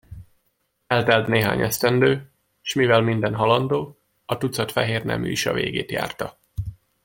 Eltelt néhány esztendő, s mivel minden halandó, a tucat fehérnemű is a végét járta.